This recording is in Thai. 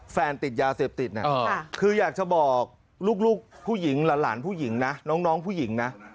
ติดยาเสพติดเนี่ยคืออยากจะบอกลูกผู้หญิงหลานผู้หญิงนะน้องผู้หญิงนะ